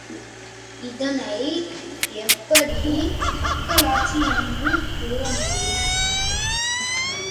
இதனை எப்படி மக்களாட்சி என்று கூறமுடியும்?